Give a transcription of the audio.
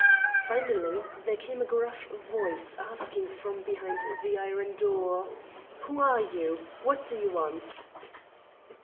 Finally there came a gruff voice, asking from behind the iron door: "Who are you? What do you want?"